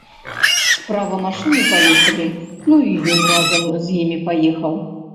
Справа машыны паехалі, ну і ён разам з імі паехаў.